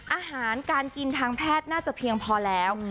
อาหารการกินทางแพทย์น่าจะเพียงพอแล้ว